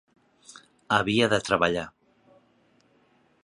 Havia de treballar.